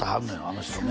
あの人ね